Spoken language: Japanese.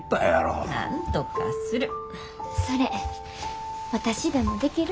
それ私でもできる？